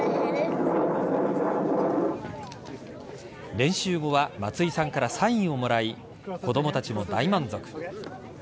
練習後は松井さんからサインをもらい子供たちも大満足。